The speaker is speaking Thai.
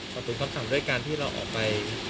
ฝาฟืนคำสั่งด้วยการที่เราออกไป